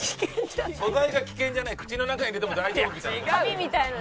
素材が危険じゃない口の中に入れても大丈夫みたいな。